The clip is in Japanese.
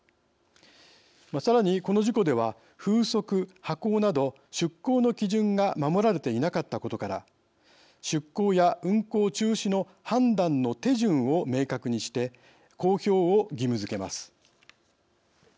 さらに、この事故では風速、波高など出港の基準が守られていなかったことから出港や運航中止の判断の手順を明確にして公表を義務づけます。